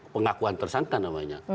pengakuan tersangka namanya